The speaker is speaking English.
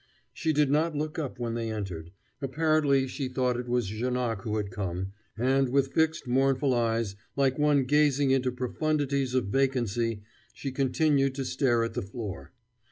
She did not look up when they entered apparently she thought it was Janoc who had come, and with fixed, mournful eyes, like one gazing into profundities of vacancy, she continued to stare at the floor.